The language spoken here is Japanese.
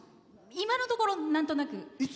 今のところ、なんとなく。